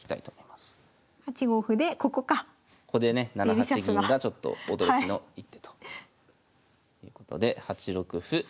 ここでね７八銀がちょっと驚きの一手ということで。